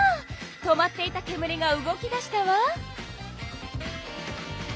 止まっていたけむりが動き出したわ！